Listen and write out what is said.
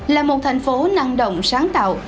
là một thành phố năng động sáng tạo